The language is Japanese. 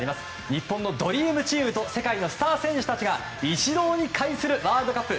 日本のドリームチームと世界のスター選手たちが一堂に会するワールドカップ。